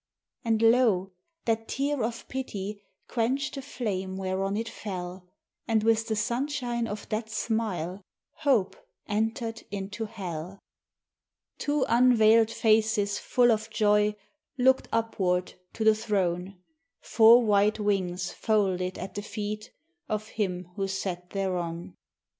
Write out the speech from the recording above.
And lo! that tear of Pity quenched the flame whereon it fell, And, with the sunshine of that smile, hope entered into hell! Two unveiled faces full of joy looked upward to the Throne, Four white wings folded at the feet of Him who sat thereon!